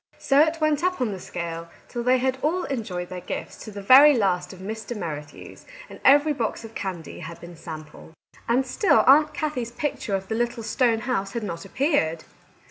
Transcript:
So it went on up the scale, till they had all enjoyed their gifts to the very last of Mr. Merrithew's, and every box of candy had been sampled. And still Aunt Kathie's picture of the little stone house had not appeared